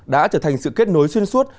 đã trở thành sự kết nối xuyên suốt